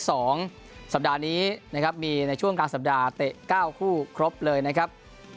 ให้ซัปดาห์นี้ในช่วงกลางสัปดาห์เตะเก้าคู่ครบเลยนะครับ